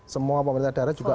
semua pemerintah daerah juga